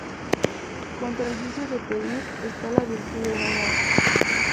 Contra el vicio de pedir está la virtud de no dar